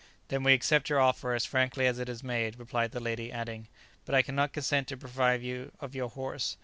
"Then we accept your offer as frankly as it is made," replied the lady, adding; "but I cannot consent to deprive you of your horse.